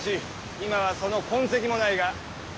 今はその痕跡もないが。